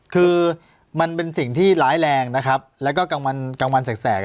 คือมันเป็นสิ่งที่ร้ายแรงนะครับแล้วก็กลางวันกลางวันแสก